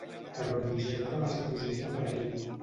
Però el projecte va ser positiu per a ell.